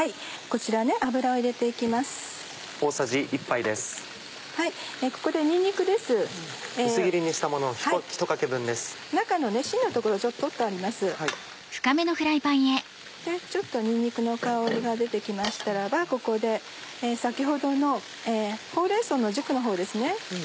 ちょっとにんにくの香りが出て来ましたらばここで先ほどのほうれん草の軸のほうですね。